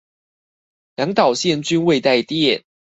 兩導線均未帶電